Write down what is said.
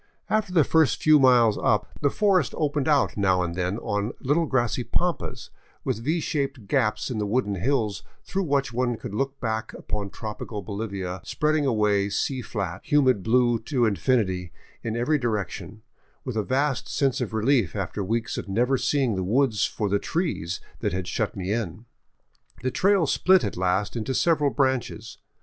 After the first few miles up, the forest opened out now and then on little grassy pampas, with V shaped gaps in the wooded hills through which one could look back upon tropi cal Bolivia spreading away sea flat, humid blue to infinity in every direction, with a vast sense of relief after weeks of never seeing the woods for the trees that had shut me in. The trail split at last into several branches.